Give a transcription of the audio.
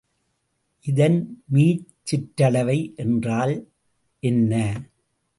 இதன் மீச்சிற்றளவை என்றால் என்ன?